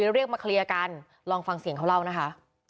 เรียกมาเคลียร์กันลองฟังเสียงเขาเล่านะคะ